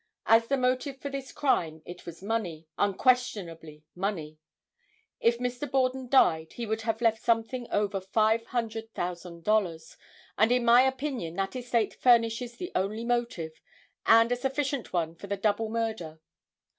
As the motive for this crime it was money, unquestionably money. If Mr. Borden died he would have left something over $500,000 and in my opinion that estate furnishes the only motive, and a sufficient one for the double murder.